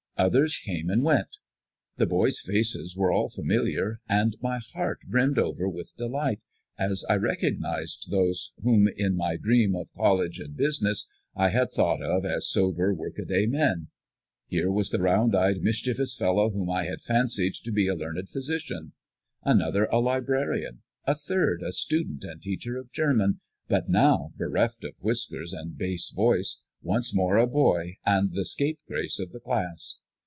Others came and went. The boys' faces were all familiar, and my heart brimmed over with delight as I recognized those whom, in my dream of college and business, I had thought of as sober, work a day men. Here was the round eyed, mischievous fellow whom I had fancied to be a learned physician; another, a librarian; a third, a student and teacher of German, but now, bereft of whiskers and bass voice, once more a boy, and the scapegrace of the class.